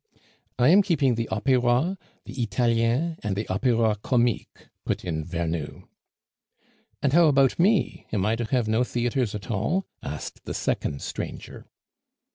"I am keeping the Opera, the Italiens, and the Opera Comique," put in Vernou. "And how about me? Am I to have no theatres at all?" asked the second stranger.